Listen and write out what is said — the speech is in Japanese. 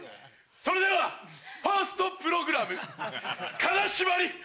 それではファーストプログラム「金縛り」。